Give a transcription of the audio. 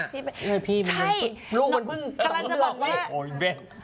ใช่ลูกมันเพิ่งต้องหลอกด้วย